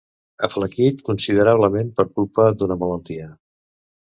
Aflaquit considerablement per culpa d'una malaltia.